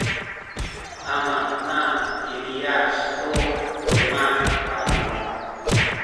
amana piliyas tu luma’ kamu